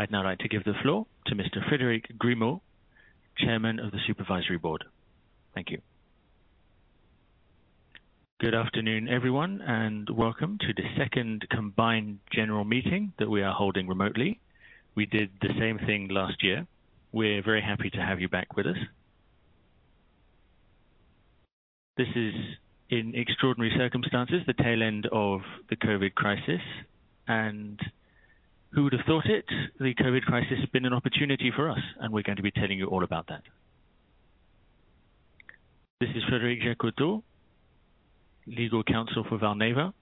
I'd now like to give the floor to Mr. Frédéric Grimaud, Chairman of the Supervisory Board. Thank you. Good afternoon, everyone, and welcome to the second combined general meeting that we are holding remotely. We did the same thing last year. We're very happy to have you back with us. This is in extraordinary circumstances, the tail end of the COVID crisis, and who would have thought it, the COVID crisis has been an opportunity for us, and we're going to be telling you all about that. This is Frédéric Jacotot, Legal Counsel for Valneva,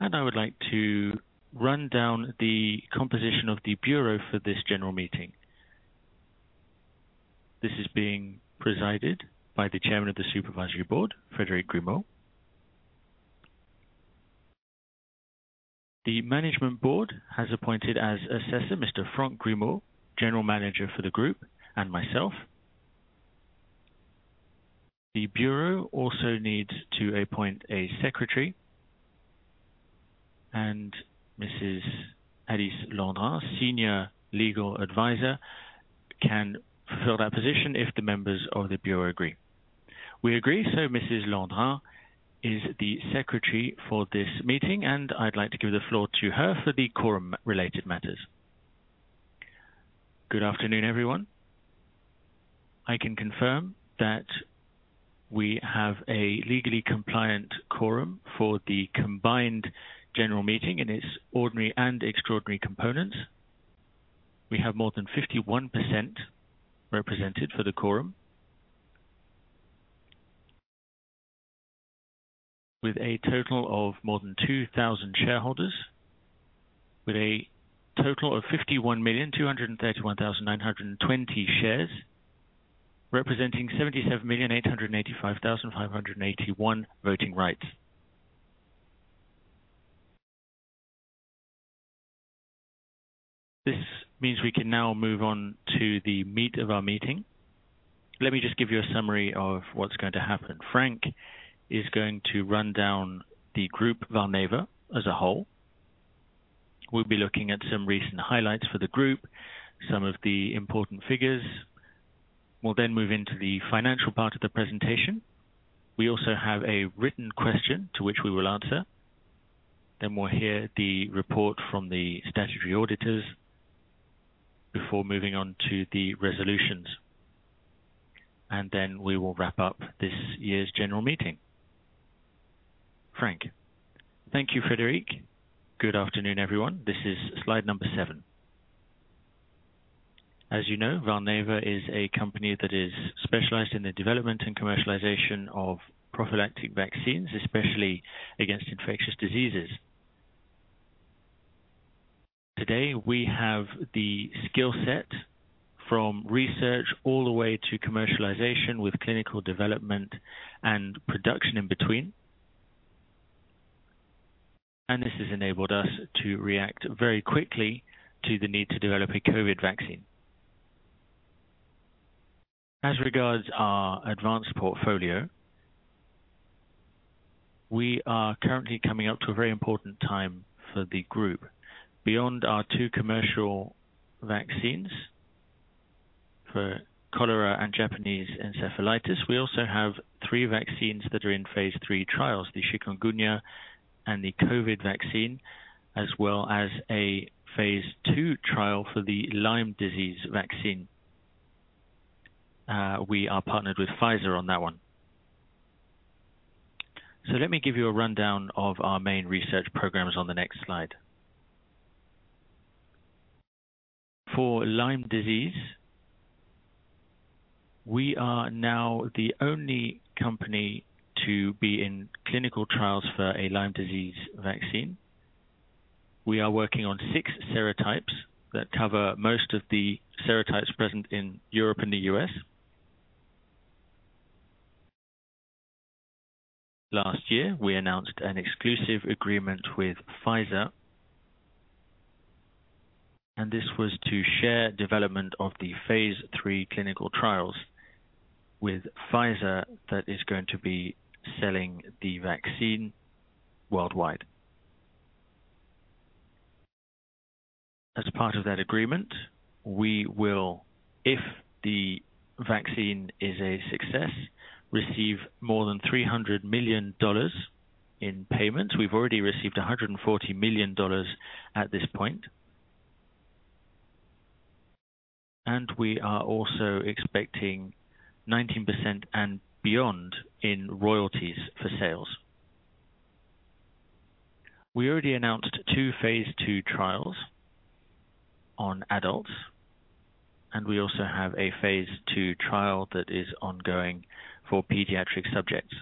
and I would like to run down the composition of the bureau for this general meeting. This is being presided by the Chairman of the Supervisory Board, Frédéric Grimaud. The management board has appointed as assessor Mr. Franck Grimaud, general manager for the group, and myself. The bureau also needs to appoint a secretary. Mrs. Alice Landrain, Senior Legal Advisor, can fill that position if the members of the bureau agree. We agree, Mrs. Landrain is the secretary for this meeting. I'd like to give the floor to her for the quorum-related matters. Good afternoon, everyone. I can confirm that we have a legally compliant quorum for the combined general meeting in its ordinary and extraordinary components. We have more than 51% represented for the quorum, with a total of more than 2,000 shareholders, with a total of 51,231,920 shares, representing 77,885,581 voting rights. This means we can now move on to the meat of our meeting. Let me just give you a summary of what's going to happen. Franck is going to run down the group Valneva as a whole. We'll be looking at some recent highlights for the group, some of the important figures. We'll move into the financial part of the presentation. We also have a written question to which we will answer. We'll hear the report from the statutory auditors before moving on to the resolutions. We will wrap up this year's general meeting. Franck. Thank you, Frédéric. Good afternoon, everyone. This is slide number seven. As you know, Valneva is a company that is specialized in the development and commercialization of prophylactic vaccines, especially against infectious diseases. Today, we have the skill set from research all the way to commercialization with clinical development and production in between. This has enabled us to react very quickly to the need to develop a COVID vaccine. As regards our advanced portfolio, we are currently coming up to a very important time for the group. Beyond our two commercial vaccines, for cholera and Japanese encephalitis, we also have three vaccines that are in phase III trials, the chikungunya and the COVID vaccine, as well as a phase II trial for the Lyme disease vaccine. We are partnered with Pfizer on that one. Let me give you a rundown of our main research programs on the next slide. For Lyme disease, we are now the only company to be in clinical trials for a Lyme disease vaccine. We are working on six serotypes that cover most of the serotypes present in Europe and the U.S. Last year, we announced an exclusive agreement with Pfizer, and this was to share development of the phase III clinical trials with Pfizer that is going to be selling the vaccine worldwide. As part of that agreement, we will, if the vaccine is a success, receive more than $300 million in payments. We've already received $140 million at this point. We are also expecting 19% and beyond in royalties for sales. We already announced two phase II trials on adults, and we also have a phase II trial that is ongoing for pediatric subjects.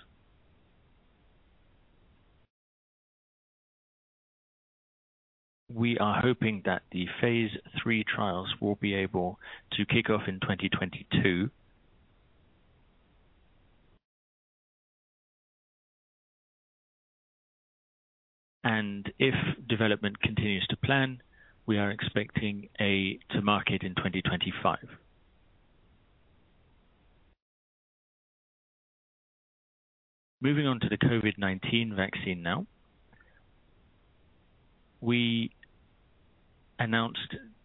We are hoping that the phase III trials will be able to kick off in 2022. If development continues to plan, we are expecting to market in 2025. Moving on to the COVID-19 vaccine now. We announced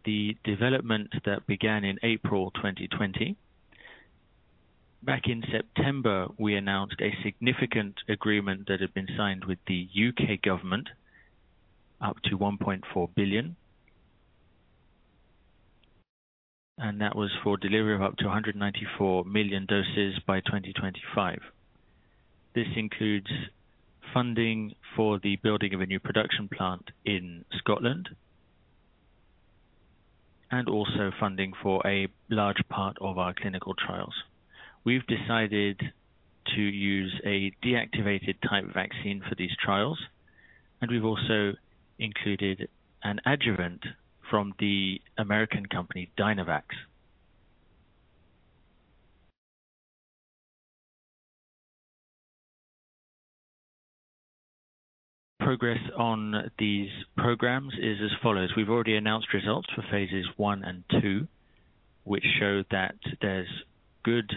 the development that began in April 2020. Back in September, we announced a significant agreement that had been signed with the U.K. government, up to EUR 1.4 billion. That was for delivery of up to 194 million doses by 2025. This includes funding for the building of a new production plant in Scotland, and also funding for a large part of our clinical trials. We've decided to use a deactivated type vaccine for these trials, and we've also included an adjuvant from the American company, Dynavax. Progress on these programs is as follows. We've already announced results for phase I and II, which show that there's good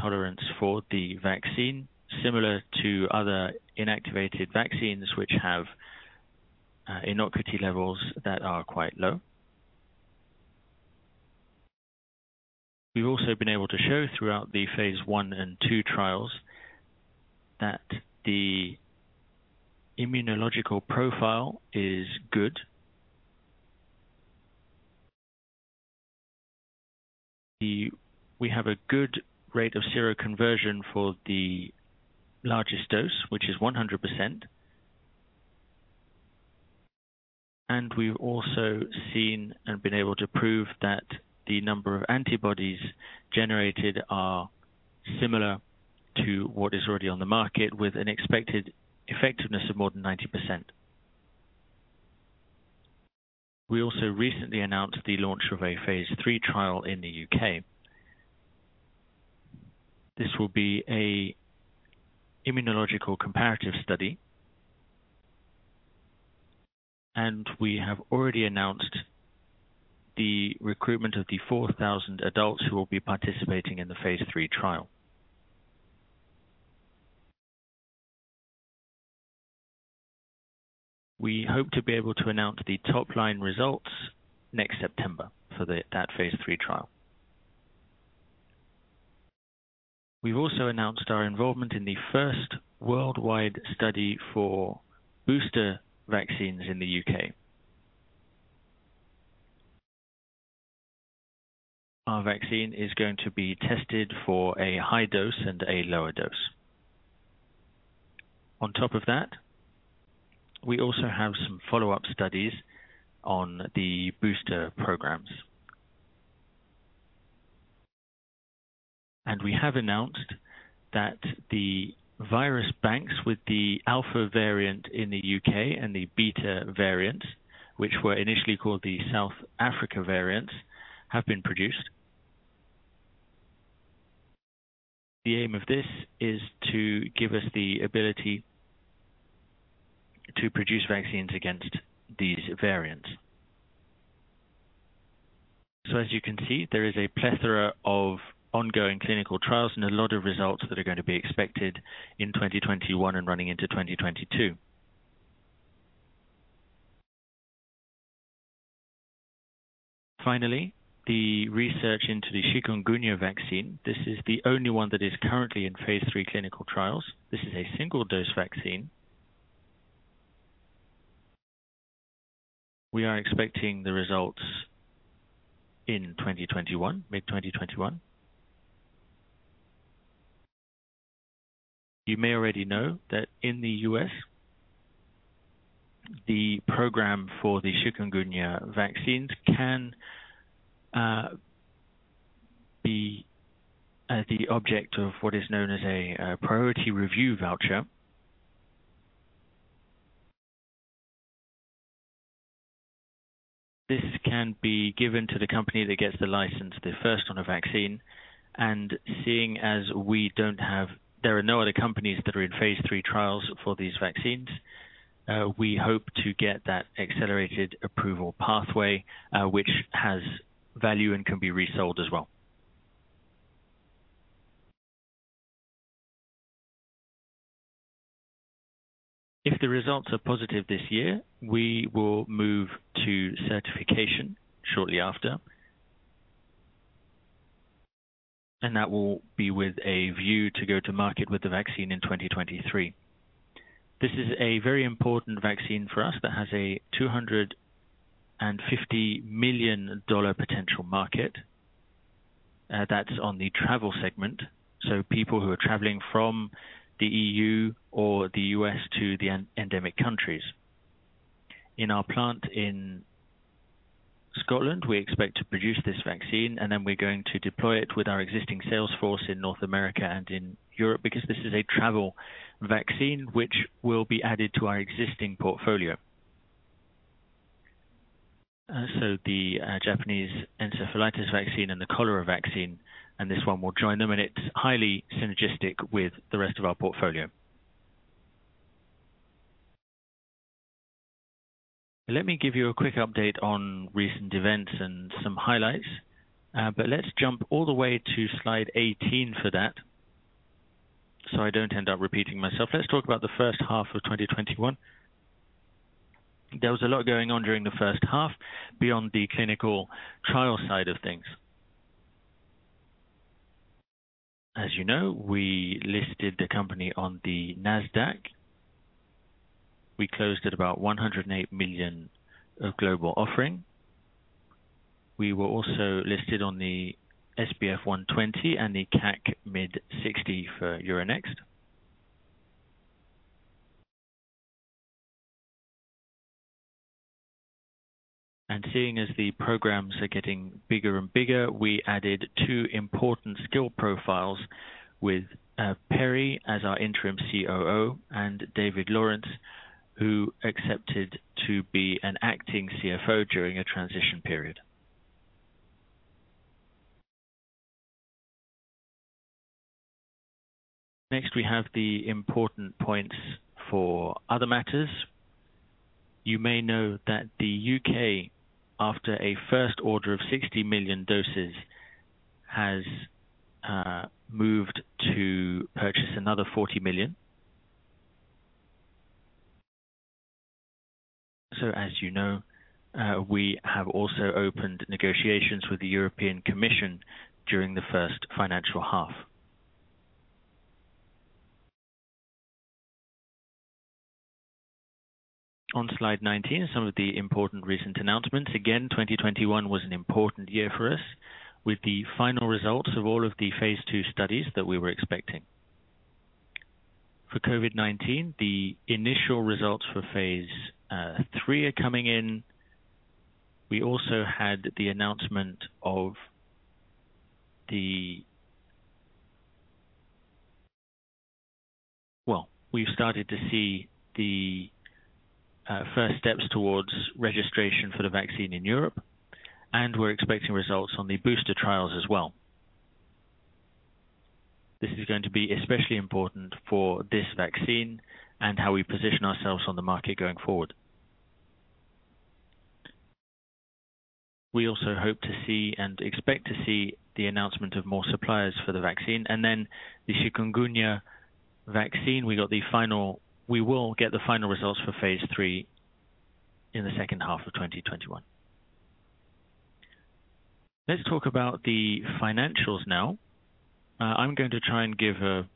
tolerance for the vaccine, similar to other inactivated vaccines which have innocuity levels that are quite low. We've also been able to show throughout the phase I and II trials that the immunological profile is good. We have a good rate of seroconversion for the largest dose, which is 100%. We've also seen and been able to prove that the number of antibodies generated are similar to what is already on the market, with an expected effectiveness of more than 90%. We also recently announced the launch of a phase III trial in the U.K. This will be an immunological comparative study. We have already announced the recruitment of the 4,000 adults who will be participating in the phase III trial. We hope to be able to announce the top-line results next September for that phase III trial. We've also announced our involvement in the first worldwide study for booster vaccines in the U.K. Our vaccine is going to be tested for a high dose and a lower dose. On top of that, we also have some follow-up studies on the booster programs. We have announced that the virus banks with the Alpha variant in the U.K. and the Beta variant, which were initially called the South Africa variants, have been produced. The aim of this is to give us the ability to produce vaccines against these variants. As you can see, there is a plethora of ongoing clinical trials and a lot of results that are going to be expected in 2021 and running into 2022. Finally, the research into the chikungunya vaccine. This is the only one that is currently in phase III clinical trials. This is a single-dose vaccine. We are expecting the results in mid-2021. You may already know that in the U.S., the program for the chikungunya vaccine can be the object of what is known as a priority review voucher. This can be given to the company that gets the license the first on a vaccine. Seeing as there are no other companies that are in phase III trials for these vaccines, we hope to get that accelerated approval pathway, which has value and can be resold as well. If the results are positive this year, we will move to certification shortly after. That will be with a view to go to market with the vaccine in 2023. This is a very important vaccine for us that has a EUR 250 million potential market. That's on the travel segment, so people who are traveling from the EU or the U.S. to the endemic countries. In our plant in Scotland, we expect to produce this vaccine, and then we're going to deploy it with our existing sales force in North America and in Europe, because this is a travel vaccine, which will be added to our existing portfolio. The Japanese encephalitis vaccine and the cholera vaccine, and this one will join them, and it's highly synergistic with the rest of our portfolio. Let me give you a quick update on recent events and some highlights. Let's jump all the way to slide 18 for that so I don't end up repeating myself. Let's talk about the first half of 2021. There was a lot going on during the first half beyond the clinical trial side of things. As you know, we listed the company on the Nasdaq. We closed at about $108 million of global offering. We were also listed on the SBF 120 and the CAC Mid 60 for Euronext. Seeing as the programs are getting bigger and bigger, we added two important skill profiles with Perry as our interim COO and David Lawrence, who accepted to be an acting CFO during a transition period. Next, we have the important points for other matters. You may know that the U.K., after a first order of 60 million doses, has moved to purchase another 40 million. As you know, we have also opened negotiations with the European Commission during the first financial half. On slide 19, some of the important recent announcements. 2021 was an important year for us with the final results of all of the phase II studies that we were expecting. For COVID-19, the initial results for phase III are coming in. We also had the announcement. Well, we've started to see the first steps towards registration for the vaccine in Europe, and we're expecting results on the booster trials as well. This is going to be especially important for this vaccine and how we position ourselves on the market going forward. We also hope to see and expect to see the announcement of more suppliers for the vaccine, then the chikungunya vaccine, we will get the final results for phase III in the second half of 2021. Let's talk about the financials now. I'm going to try and give a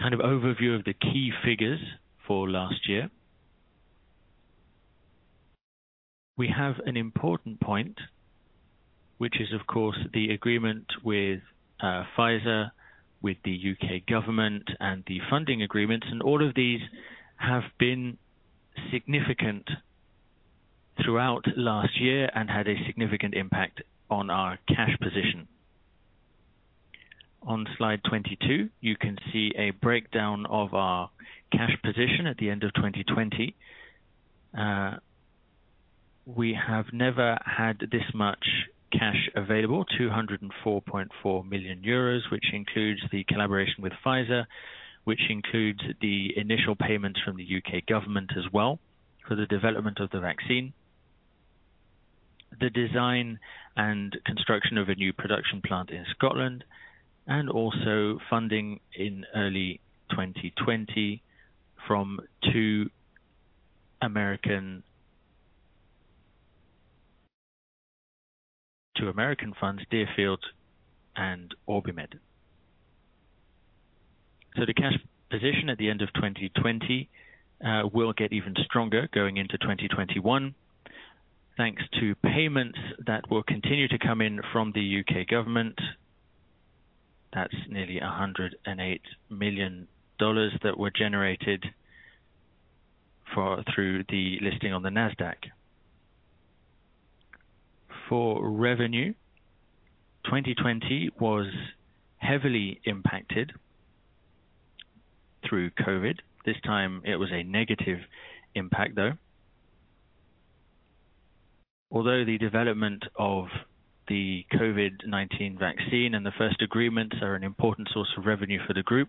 kind of overview of the key figures for last year. We have an important point, which is of course the agreement with Pfizer, with the U.K. government, the funding agreements, and all of these have been significant throughout last year and had a significant impact on our cash position. On slide 22, you can see a breakdown of our cash position at the end of 2020. We have never had this much cash available, 204.4 million euros, which includes the collaboration with Pfizer, which includes the initial payments from the U.K. government as well for the development of the vaccine. The design and construction of a new production plant in Scotland, also funding in early 2020 from two American funds, Deerfield and OrbiMed. The cash position at the end of 2020 will get even stronger going into 2021, thanks to payments that will continue to come in from the U.K. government. That's nearly $108 million that were generated through the listing on the Nasdaq. For revenue, 2020 was heavily impacted through COVID. This time it was a negative impact, though. Although the development of the COVID-19 vaccine and the first agreements are an important source of revenue for the group,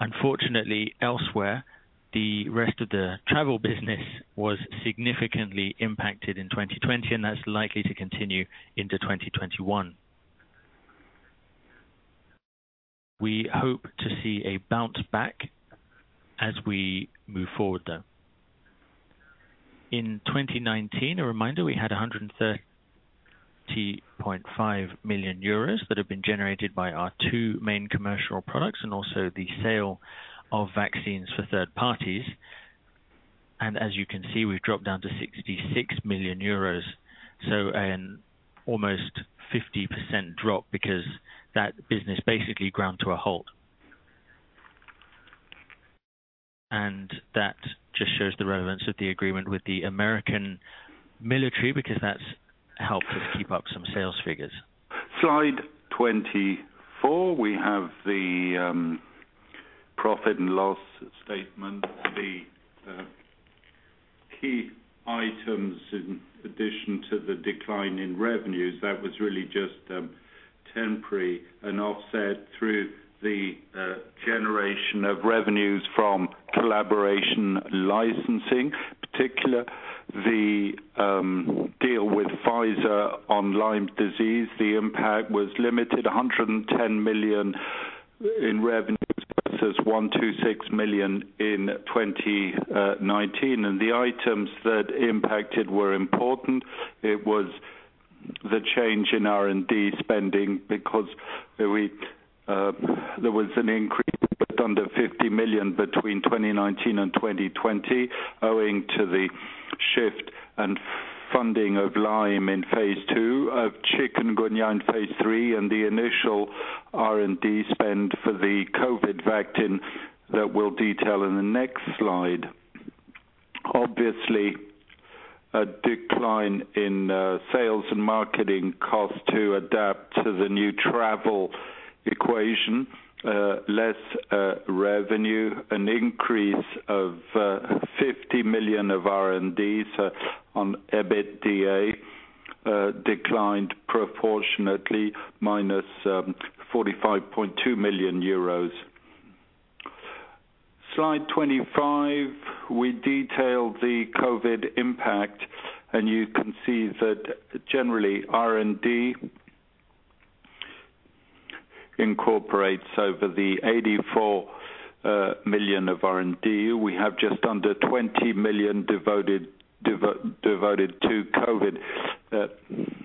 unfortunately elsewhere, the rest of the travel business was significantly impacted in 2020, and that's likely to continue into 2021. We hope to see a bounce back as we move forward, though. In 2019, a reminder, we had 130.5 million euros that had been generated by our two main commercial products and also the sale of vaccines for third parties. As you can see, we've dropped down to 66 million euros, an almost 50% drop because that business basically ground to a halt. That just shows the relevance of the agreement with the American military because that's helped us keep up some sales figures. Slide 24, we have the profit and loss statement. The key items in addition to the decline in revenues, that was really just temporary and offset through the generation of revenues from collaboration licensing. Particularly, the deal with Pfizer on Lyme disease, the impact was limited to 110 million in revenues versus 126 million in 2019. The items that impacted were important. It was the change in R&D spending because there was an increase of under 50 million between 2019 and 2020, owing to the shift and funding of Lyme in phase II, chikungunya in phase III, and the initial R&D spend for the COVID vaccine that we'll detail in the next slide. Obviously, a decline in sales and marketing cost to adapt to the new travel equation, less revenue, an increase of 50 million of R&D, so on EBITDA declined proportionately minus EUR 45.2 million. Slide 25, we detailed the COVID impact, and you can see that generally R&D incorporates over 84 million of R&D. We have just under 20 million devoted to COVID.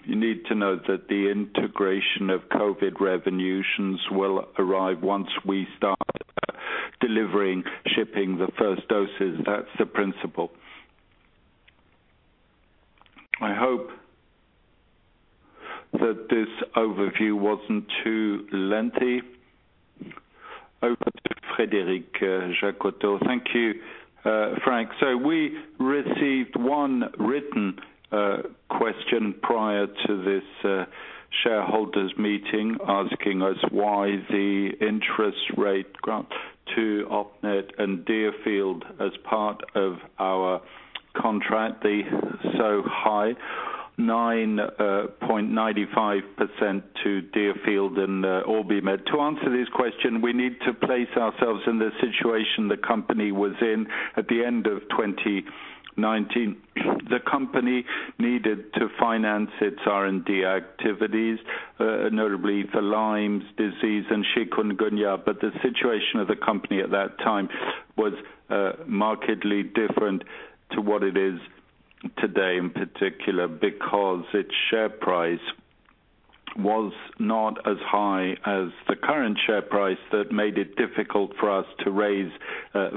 You need to know that the integration of COVID revenues will arrive once we start delivering, shipping the first doses. That's the principle. I hope that this overview wasn't too lengthy. Over to Frédéric Jacotot. Thank you, Franck. We received one written question prior to this shareholders' meeting asking us why the interest rate grants to OrbiMed and Deerfield as part of our contract, they're so high, 9.95% to Deerfield and OrbiMed. To answer this question, we need to place ourselves in the situation the company was in at the end of 2019. The company needed to finance its R&D activities, notably for Lyme disease and chikungunya. The situation of the company at that time was markedly different to what it is today, in particular, because its share price was not as high as the current share price that made it difficult for us to raise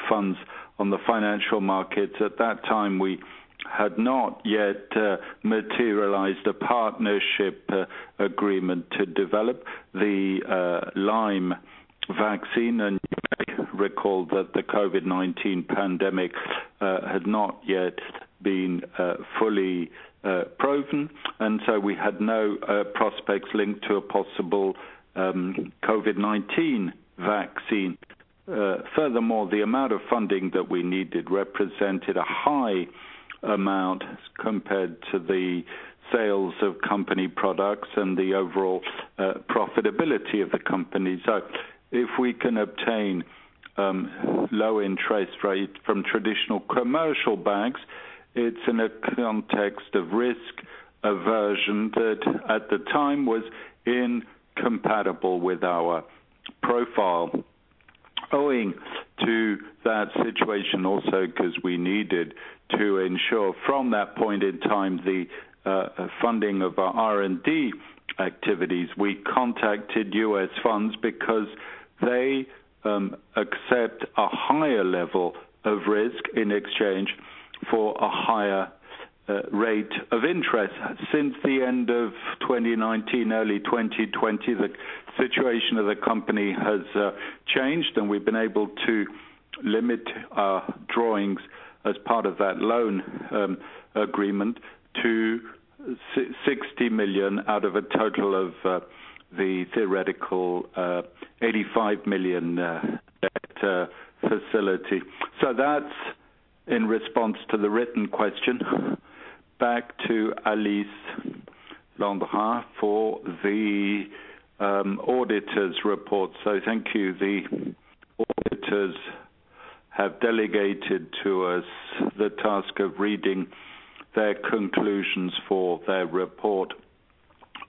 funds on the financial markets. At that time, we had not yet materialized a partnership agreement to develop the Lyme vaccine, and you may recall that the COVID-19 pandemic had not yet been fully proven. We had no prospects linked to a possible COVID-19 vaccine. Furthermore, the amount of funding that we needed represented a high amount compared to the sales of company products and the overall profitability of the company. If we can obtain low interest rates from traditional commercial banks, it's in a context of risk aversion that at the time was incompatible with our profile. Owing to that situation, also because we needed to ensure from that point in time the funding of our R&D activities, we contacted U.S. funds because they accept a higher level of risk in exchange for a higher rate of interest. Since the end of 2019, early 2020, the situation of the company has changed, and we've been able to limit our drawings as part of that loan agreement to 60 million out of a total of the theoretical 85 million debt facility. That's in response to the written question. Back to Alice Landrain for the auditor's report. Thank you. The auditors have delegated to us the task of reading their conclusions for their report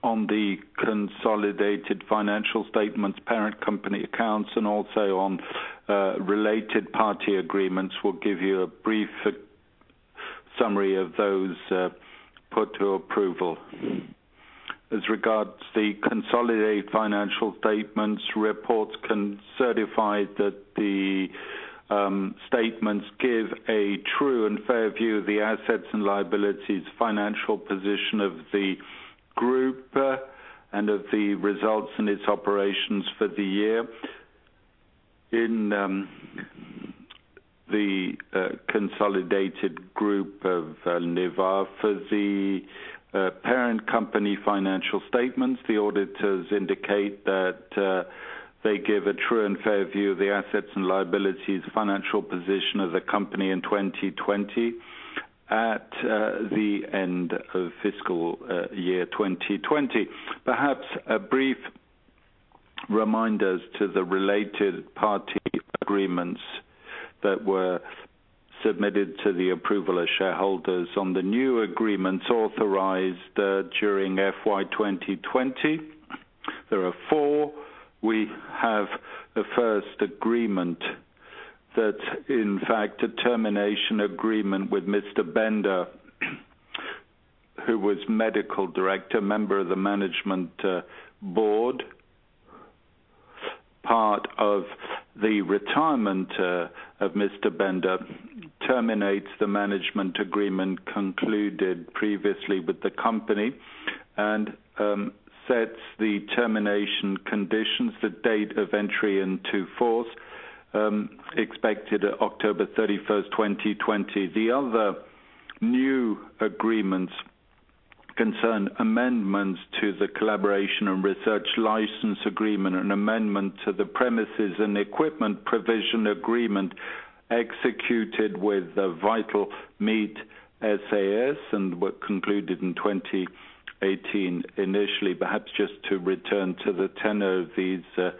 on the consolidated financial statements, parent company accounts, and also on related party agreements. We'll give you a brief summary of those put to approval. As regards the consolidated financial statements, reports can certify that the statements give a true and fair view of the assets and liabilities, financial position of the group, and of the results in its operations for the year. In the consolidated group of Valneva for the parent company financial statements. The auditors indicate that they give a true and fair view of the assets and liabilities, financial position of the company in 2020 at the end of fiscal year 2020. Perhaps a brief reminders to the related party agreements that were submitted to the approval of shareholders on the new agreements authorized during FY 2020. There are four. We have the first agreement that in fact, a termination agreement with Mr. Bender, who was medical director, member of the management board. Part of the retirement of Mr. Bender terminates the management agreement concluded previously with the company, and sets the termination conditions, the date of entry into force, expected October 31st, 2020. The other new agreements concern amendments to the collaboration and research license agreement, an amendment to the premises and equipment provision agreement executed with the Vital Meat SAS and were concluded in 2018 initially. Perhaps just to return to the tenor of these agreements.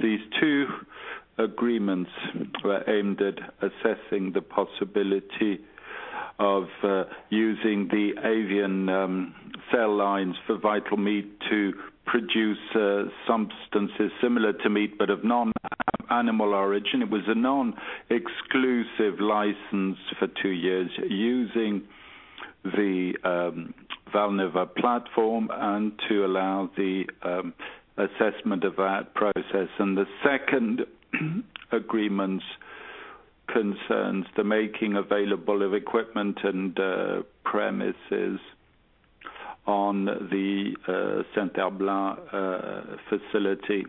These two agreements were aimed at assessing the possibility of using the avian cell lines for Vital Meat to produce substances similar to meat, but of non-animal origin. It was a non-exclusive license for two years using the Valneva platform and to allow the assessment of that process. The second agreement concerns the making available of equipment and premises on the Saint-Herblain facility.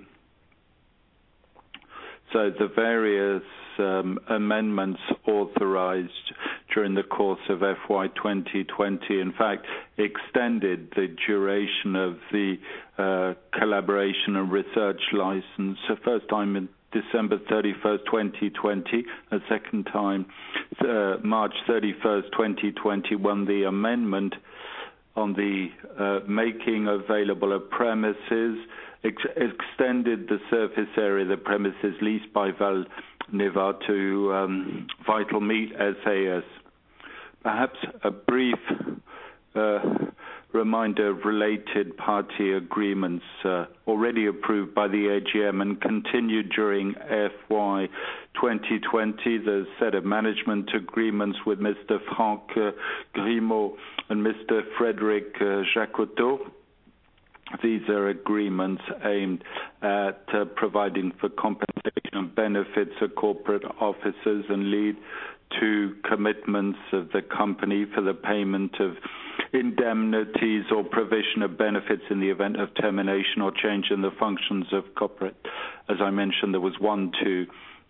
The various amendments authorized during the course of FY 2020 in fact extended the duration of the collaboration and research license. The first time in December 31st, 2020, a second time, March 31st, 2021. The amendment on the making available of premises extended the surface area of the premises leased by Valneva to Vital Meat SAS. Perhaps a brief reminder of related party agreements already approved by the AGM and continued during FY 2020. The set of management agreements with Mr. Franck Grimaud and Mr. Frédéric Jacotot. These are agreements aimed at providing for compensation and benefits of corporate officers and lead to commitments of the company for the payment of indemnities or provision of benefits in the event of termination or change in the functions of corporate. As I mentioned, there was one too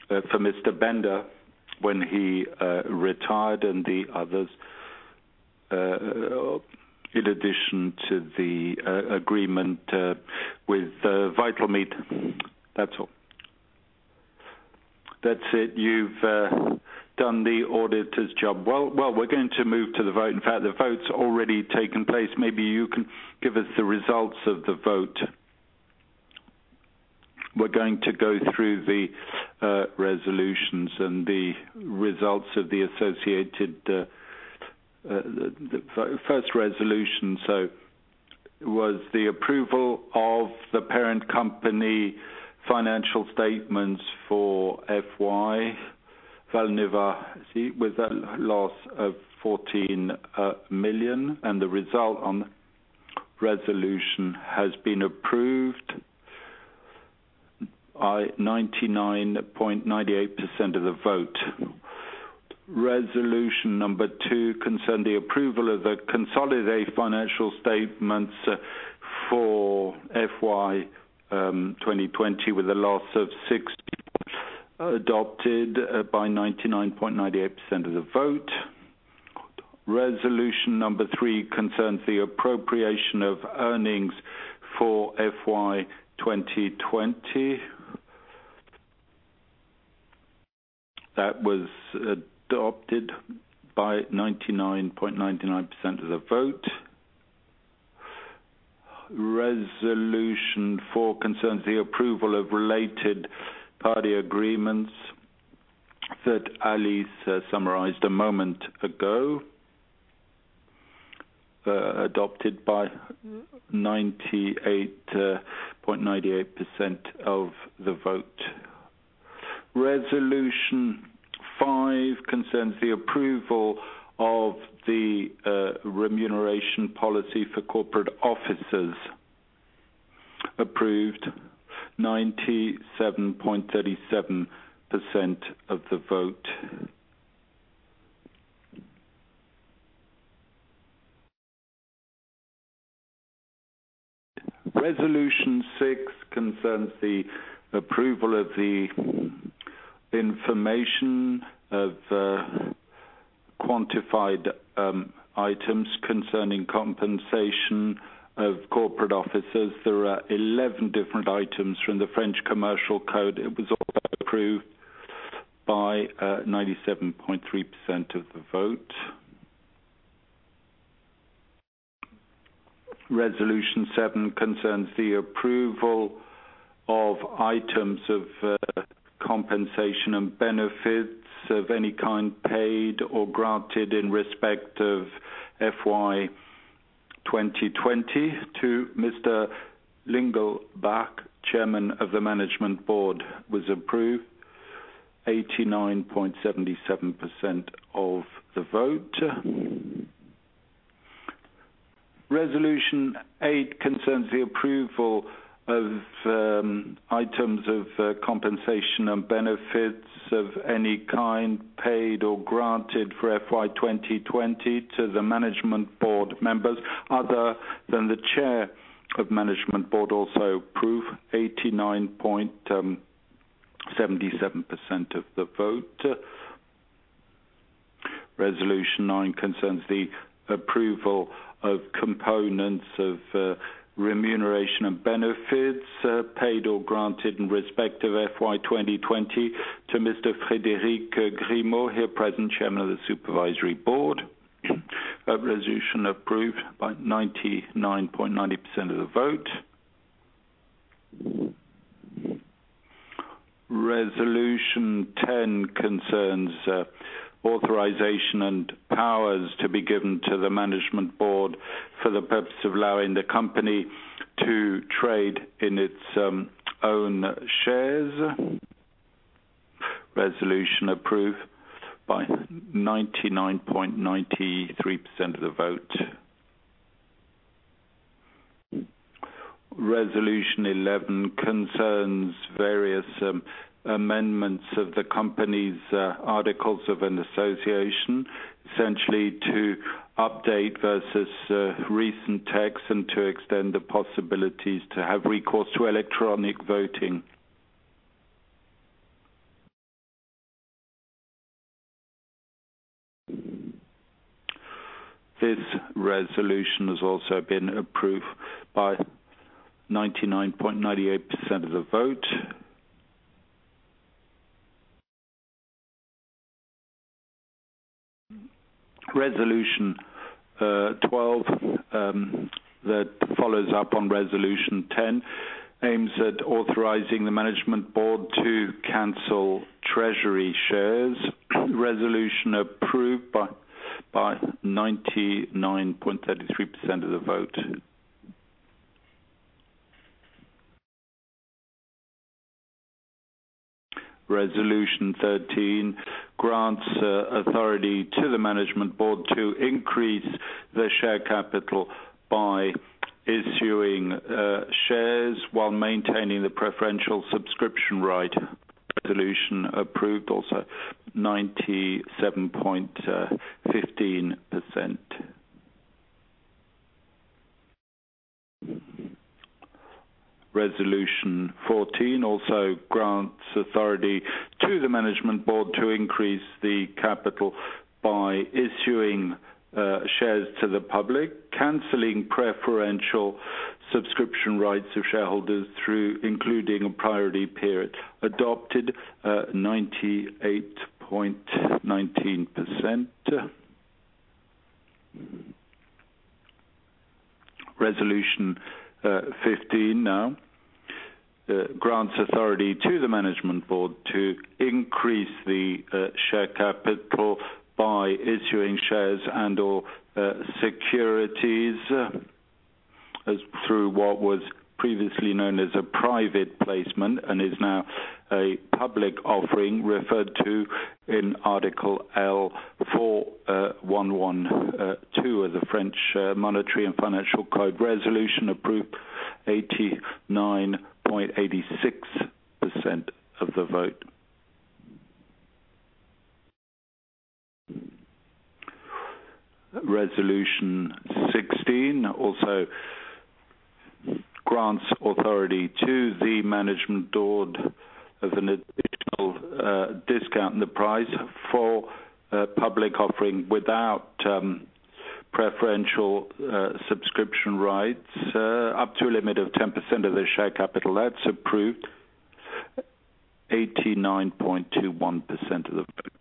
for Mr. Bender when he retired and the others in addition to the agreement with Vital Meat SAS. That's all. That's it. You've done the auditor's job well. We're going to move to the vote. In fact, the vote's already taken place. Maybe you can give us the results of the vote. We're going to go through the resolutions and the results of the associated. The first resolution was the approval of the parent company financial statements for FY 2020, with a loss of 14 million, and the result on resolution has been approved by 99.98% of the vote. Resolution number two concerned the approval of the consolidated financial statements for FY 2020 with a loss of 60 million, adopted by 99.98% of the vote. Resolution number three concerns the appropriation of earnings for FY 2020. That was adopted by 99.99% of the vote. Resolution 4 concerns the approval of related party agreements that Alice summarized a moment ago, adopted by 98.98% of the vote. Resolution 5 concerns the approval of the remuneration policy for corporate officers, approved 97.37% of the vote. Resolution 6 concerns the approval of the information of quantified items concerning compensation of corporate officers. There are 11 different items from the French Commercial Code. It was also approved by 97.3% of the vote. Resolution 7 concerns the approval of items of compensation and benefits of any kind paid or granted in respect of FY 2020 to Mr. Lingelbach, Chairman of the Management Board, was approved 89.77% of the vote. Resolution 8 concerns the approval of items of compensation and benefits of any kind paid or granted for FY 2020 to the Management Board members other than the Chair of Management Board, also approved 89.77% of the vote. Resolution 9 concerns the approval of components of remuneration and benefits paid or granted in respect of FY 2020 to Mr. Frédéric Grimaud, here present, Chairman of the Supervisory Board. Resolution approved by 99.90% of the vote. Resolution 10 concerns authorization and powers to be given to the Management Board for the purpose of allowing the company to trade in its own shares. Resolution approved by 99.93% of the vote. Resolution 11 concerns various amendments of the company's articles of an association, essentially to update versus recent text and to extend the possibilities to have recourse to electronic voting. This resolution has also been approved by 99.98% of the vote. Resolution 12 that follows up on resolution 10, aims at authorizing the Management Board to cancel treasury shares. Resolution approved by 99.33% of the vote. Resolution 13 grants authority to the Management Board to increase the share capital by issuing shares while maintaining the preferential subscription right. Resolution approved, also 97.15%. Resolution 14 also grants authority to the Management Board to increase the capital by issuing shares to the public, canceling preferential subscription rights of shareholders through including a priority period. Adopted 98.19%. Resolution 15 now grants authority to the Management Board to increase the share capital by issuing shares and/or securities through what was previously known as a private placement and is now a public offering referred to in Article L411-2 of the French Monetary and Financial Code. Resolution approved 89.86% of the vote. Resolution 16 also grants authority to the Management Board as an additional discount in the price for public offering without preferential subscription rights up to a limit of 10% of the share capital. That's approved 89.21% of the vote.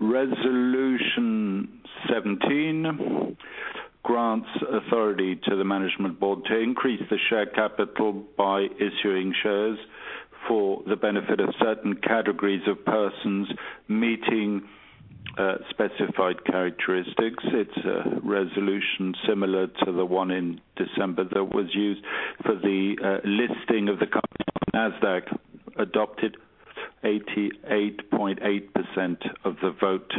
Resolution 17 grants authority to the Management Board to increase the share capital by issuing shares for the benefit of certain categories of persons meeting specified characteristics. It's a resolution similar to the one in December that was used for the listing of the company on Nasdaq. Adopted 88.8% of the vote.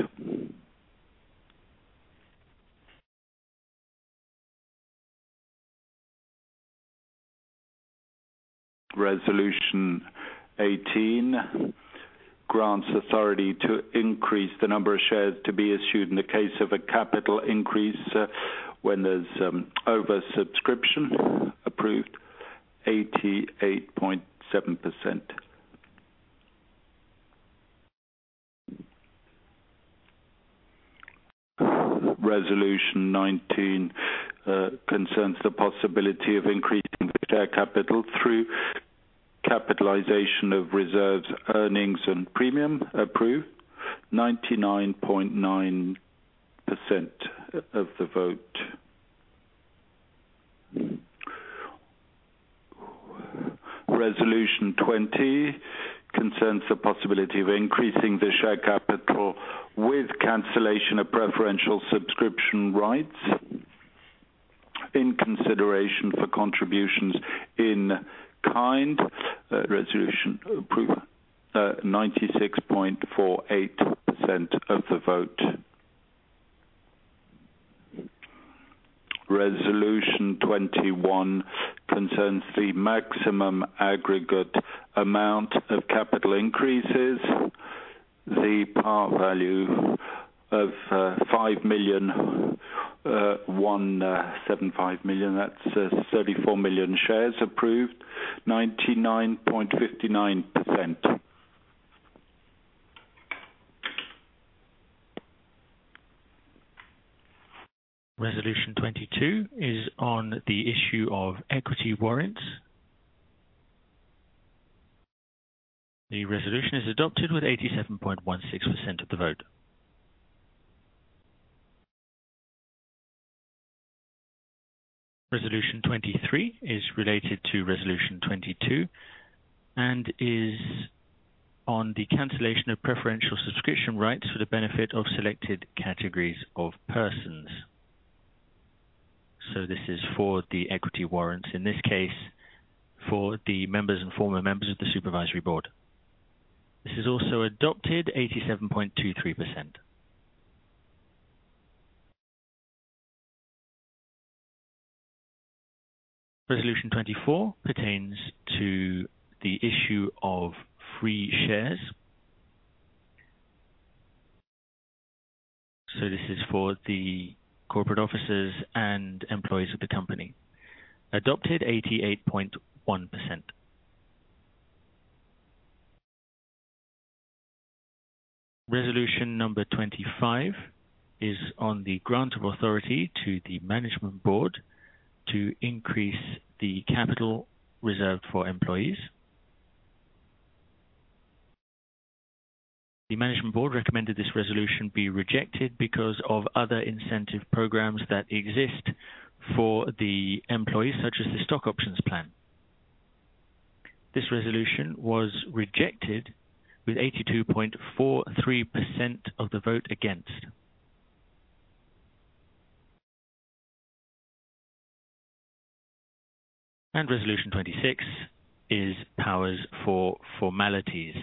Resolution 18 grants authority to increase the number of shares to be issued in the case of a capital increase when there's over-subscription. Approved 88.7%. Resolution 19 concerns the possibility of increasing the share capital through capitalization of reserves, earnings, and premium. Approved 99.9% of the vote. Resolution 20 concerns the possibility of increasing the share capital with cancellation of preferential subscription rights in consideration for contributions in kind. Resolution approved 96.48% of the vote. Resolution 21 concerns the maximum aggregate amount of capital increases, the par value of 5 million, 175 million, that's 34 million shares approved, 99.59%. Resolution 22 is on the issue of equity warrants. The resolution is adopted with 87.16% of the vote. Resolution 23 is related to Resolution 22 and is on the cancellation of preferential subscription rights for the benefit of selected categories of persons. This is for the equity warrants. In this case, for the members and former members of the supervisory board. This is also adopted 87.23%. Resolution 24 pertains to the issue of free shares. This is for the corporate offices and employees of the company. Adopted 88.1%. Resolution number 25 is on the grant of authority to the management board to increase the capital reserved for employees. The management board recommended this resolution be rejected because of other incentive programs that exist for the employees, such as the stock options plan. This resolution was rejected with 82.43% of the vote against. Resolution 26 is powers for formalities.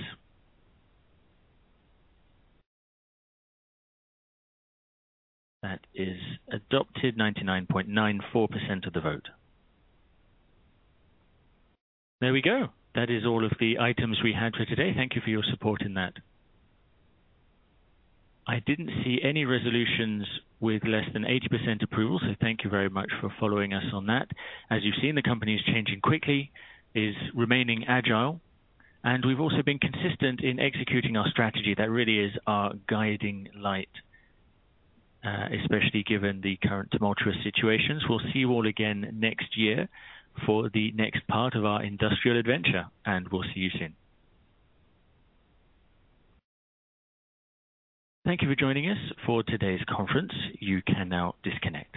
That is adopted 99.94% of the vote. There we go. That is all of the items we had for today. Thank you for your support in that. I didn't see any resolutions with less than 80% approval, so thank you very much for following us on that. As you've seen, the company is changing quickly, is remaining agile, and we've also been consistent in executing our strategy. That really is our guiding light, especially given the current tumultuous situations. We'll see you all again next year for the next part of our industrial adventure, and we'll see you soon. Thank you for joining us for today's conference. You can now disconnect.